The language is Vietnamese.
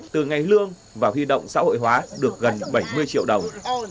từ ngày lương và huy động xã hội hóa được gần bảy mươi triệu đồng